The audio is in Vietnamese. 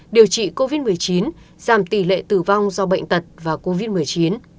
điều trị covid một mươi chín giảm tỷ lệ tử vong do bệnh tật và covid một mươi chín